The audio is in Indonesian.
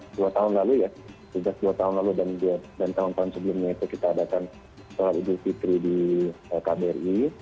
jadi kalau kita kembali ke tahun lalu ya tiga puluh dua tahun lalu dan tahun tahun sebelumnya itu kita adakan sholat idul fitri di kbri